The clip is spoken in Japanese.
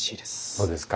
そうですか。